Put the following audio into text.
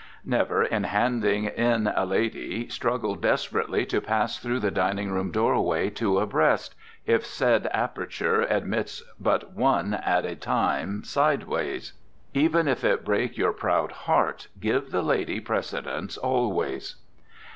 Never, in handing in a lady, struggle desperately to pass through the dining room doorway two abreast, if said aperture admits but one at a time sidewise. Even if it break your proud heart, give the lady precedence always.